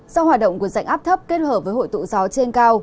do hoạt động của dạnh áp thấp kết hợp với hội tụ gió trên cao